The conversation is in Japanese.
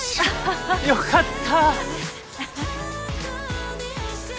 よかった。